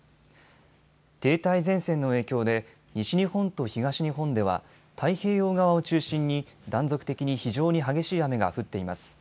停滞前線の影響で西日本と東日本では太平洋側を中心に断続的に非常に激しい雨が降っています。